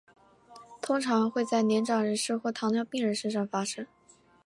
通常会在年长人士或糖尿病人身上发生。